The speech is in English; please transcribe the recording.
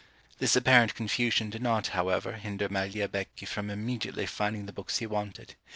This apparent confusion did not, however, hinder Magliabechi from immediately finding the books he wanted.